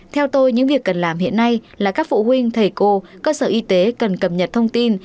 theo tôi những việc cần làm hiện nay là các phụ huynh thầy cô cơ sở y tế cần cập nhật thông tin